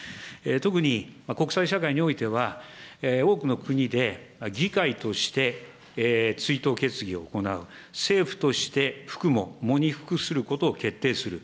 特に国際社会においては多くの国で、議会として追悼決議を行う、政府として、服喪、喪に服することを決定する。